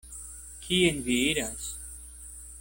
Kien vi iras?